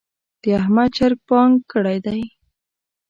د احمد چرګ بانګ کړی دی.